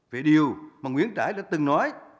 về điều mà nguyễn trãi đã từng nói